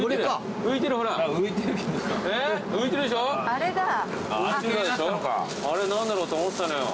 「あれ何だろう？」と思ってたのよ。